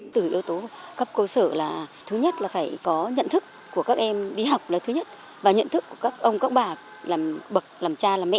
từ yếu tố cấp cấu sở là thứ nhất là phải có nhận thức của các em đi học là thứ nhất và nhận thức của các ông các bà làm bậc làm cha làm mẹ